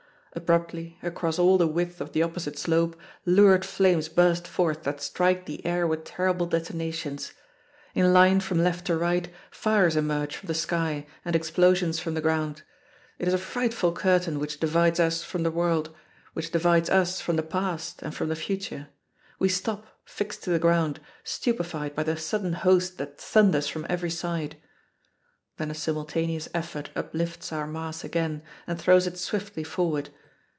Abruptly, across all the width of the opposite slope, lurid flames burst forth that strike the air with terrible detonations. In line from left to right fires emerge from the sky and explosions from the ground. It is a frightful curtain which divides us from the world, which divides us from the past and from the future. We stop, fixed to the ground, stupefied by the sudden host that thunders from every side; then a simultaneous effort uplifts our mass again and throws it swiftly forward.